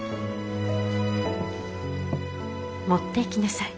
持っていきなさい。